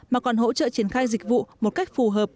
mà còn hỗ trợ triển khai dịch vụ một cách phù hợp